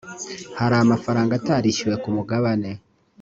hari amafaranga atarishyuwe ku mugabane